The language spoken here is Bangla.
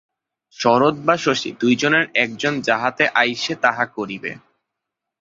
শরৎ বা শশী দুইজনের একজন যাহাতে আইসে তাহা করিবে।